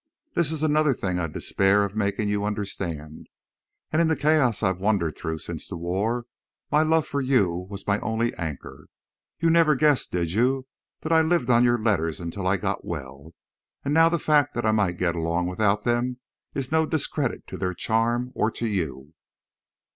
This is another thing I despair of making you understand. And in the chaos I've wandered through since the war my love for you was my only anchor. You never guessed, did you, that I lived on your letters until I got well. And now the fact that I might get along without them is no discredit to their charm or to you.